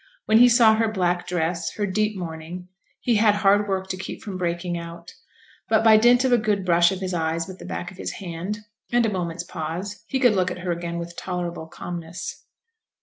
When he saw her black dress, her deep mourning, he had hard work to keep from breaking out, but by dint of a good brush of his eyes with the back of his hand, and a moment's pause, he could look at her again with tolerable calmness.